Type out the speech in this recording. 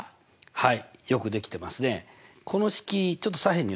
はい！